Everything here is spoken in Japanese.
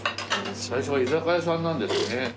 最初は居酒屋さんなんですね。